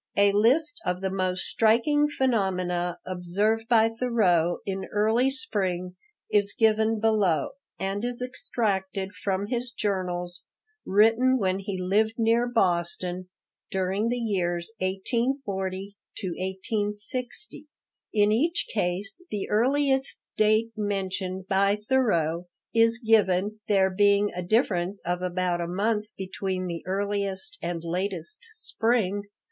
A list of the most striking phenomena observed by Thoreau in early spring is given below, and is extracted from his journals, written when he lived near Boston, during the years 1840 to 1860. In each case the earliest date mentioned by Thoreau is given, there being a difference of about a month between the earliest and latest spring.